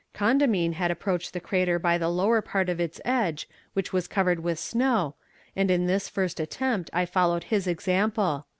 Condamine had approached the crater by the lower part of its edge which was covered with snow, and in this first attempt I followed his example.